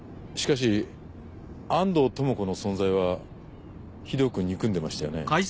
しかし安藤智子の存在はひどく憎んでいましたよね。